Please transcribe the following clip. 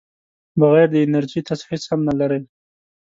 بغیر د انرژۍ تاسو هیڅ هم نه لرئ.